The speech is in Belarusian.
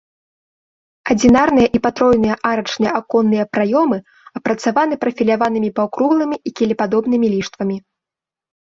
Адзінарныя і патройныя арачныя аконныя праёмы апрацаваны прафіляванымі паўкруглымі і кілепадобнымі ліштвамі.